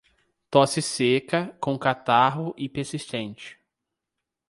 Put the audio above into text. Tosse seca, com catarro, e persistente